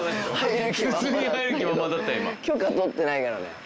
許可とってないからね。